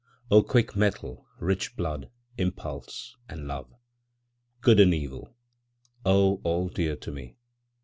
O quick mettle, rich blood, impulse, and love! Good and evil! O all dear to me!